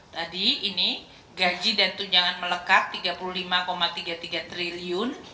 tadi ini gaji dan tunjangan melekat rp tiga puluh lima tiga puluh tiga triliun